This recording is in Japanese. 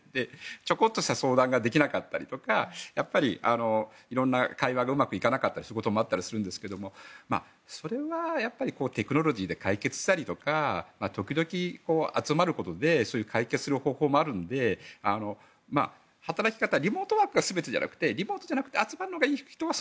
ちょこっとした相談ができなかったりとか色んな会話がうまくいかなかったりすることもあるんですがそれはテクノロジーで解決したりとか時々、集まることでそういう解決する方法もあるので働き方リモートワークが全てじゃなくてリモートじゃなくて集まるのがいい人は